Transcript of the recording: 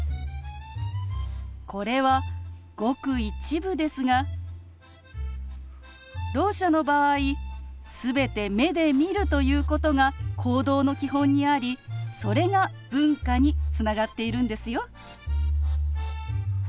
これはごく一部ですがろう者の場合全て目で見るということが行動の基本にありそれが文化につながっているんですよ。